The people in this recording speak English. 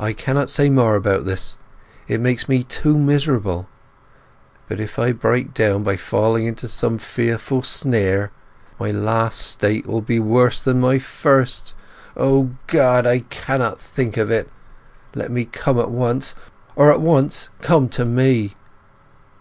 I cannot say more about this—it makes me too miserable. But if I break down by falling into some fearful snare, my last state will be worse than my first. O God, I cannot think of it! Let me come at once, or at once come to me!